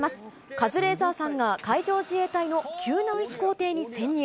カズレーザーさんが海上自衛隊の救難飛行艇に潜入。